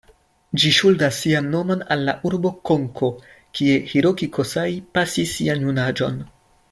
Ĝi ŝuldas sian nomon al la urbo Konko, kie Hiroki Kosai pasis sian junaĝon.